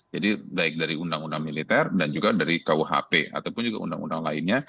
jadi baik dari undang undang militer dan juga dari kuhp ataupun juga undang undang lainnya